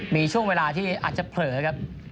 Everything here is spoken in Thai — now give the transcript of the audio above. มีช่วงเวลาที่อาจจะเผลอครับ